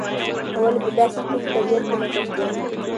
ته ولې په داسې ښکلي طبیعت کې نه ګرځې؟